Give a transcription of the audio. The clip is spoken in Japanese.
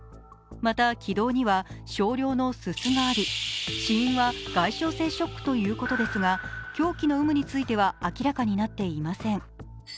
また、気道には少量のすすがあり死因は外傷性ショックということですが、凶器の有無については明らかになっていません。